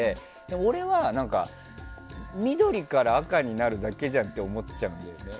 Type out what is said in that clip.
俺は緑から赤になるだけじゃんって思っちゃうんだぢょね。